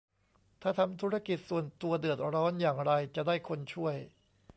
ถ้าทำธุรกิจส่วนตัวเดือดร้อนอย่างไรจะได้คนช่วย